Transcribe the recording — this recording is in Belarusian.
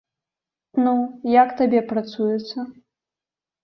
Ну, як табе працуецца?